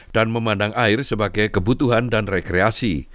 dan memandang air sebagai kebutuhan dan rekreasi